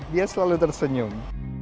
dia selalu tersenyum